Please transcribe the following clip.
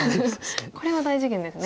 これは大事件ですね。